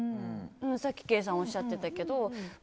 さっきケイさんおっしゃってたけど。